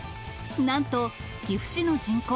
なんと、岐阜市の人口